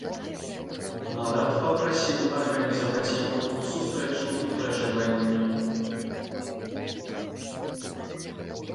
Марат папрасіў арганізаваць яму тут сустрэчу і пражыванне.